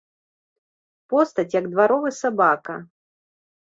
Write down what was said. Постаць, як дваровы сабака.